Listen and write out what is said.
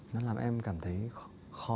nó làm em cảm thấy khó